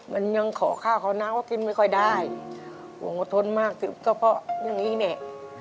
มันยังขอข้าวเขาน้ำเขากินไม่ค่อยได้ผมก็ทนมากติดก็เพราะอย่างนี้เนี่ย